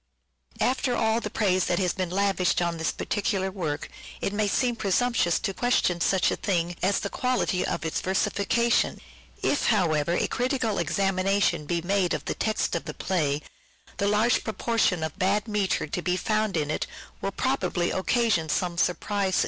After all the praise that has been lavished on this particular work it may seem presumptuous to question such a thing as the quality of its versification. If, however, a critical examination be made of the text of the play, the large proportion of bad metre to be found in it will probably occasion some surprise.